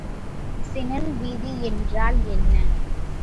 சினெல் விதி என்றால் என்ன?